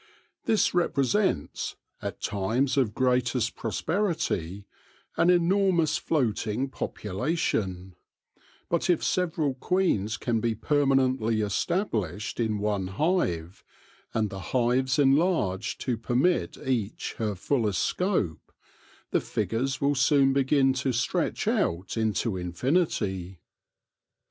This represents, at times of greatest prosperity, an enormous floating population ; but if several queens can be permanently established in one hive, and the hives enlarged to permit each her fullest scope, the figures will soon begin to stretch out into infinity.